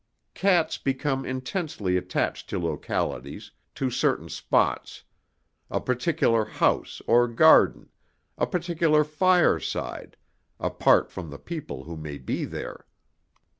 Cats become intensely attached to localities, to certain spots, a particular house or garden, a particular fireside, apart from the people who may be there.